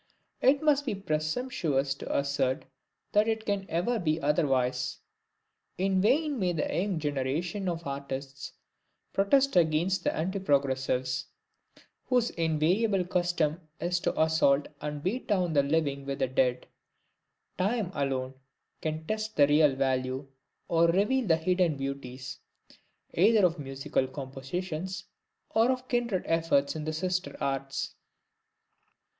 It would be presumptuous to assert that it can ever be otherwise. In vain may the young generations of artists protest against the "Anti progressives," whose invariable custom it is to assault and beat down the living with the dead: time alone can test the real value, or reveal the hidden beauties, either of musical compositions, or of kindred efforts in the sister arts.